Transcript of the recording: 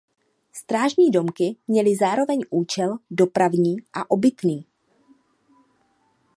Strážní domky měly zároveň účel dopravní a obytný.